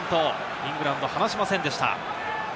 イングランド離しませんでした。